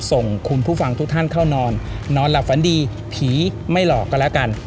ส่งคุณผู้ฟังทุกท่านเข้านอนนอนหลับฝันดีผีไม่หลอกก็แล้วกัน